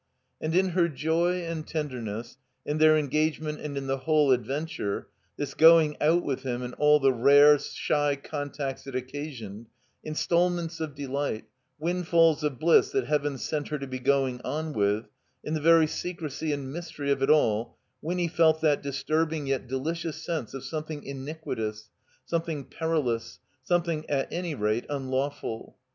And in her joy and tenderness, in their engage ment and in the whole adventture, this going out with him and all the rare, shy contacts it occasioned, instalments of delight, windfalls of bliss that Heaven sent her to be going on with, in the very secrecy and mystery of it all, Winny felt that disturbing yet de licious sense of something iniquitous, something peril ous, something, at any rate, unlawful.